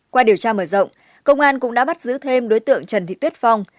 qua điều tra mở rộng công an cũng đã bắt giữ thêm đối tượng trần thị tuyết phong